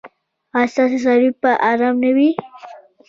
ایا ستاسو څاروي به ارام نه وي؟